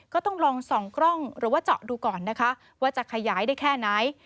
ก็ต้องลองส่องกล้องหรือว่าเจาะดูก่อนนะคะว่าจะขยายได้แค่ไหน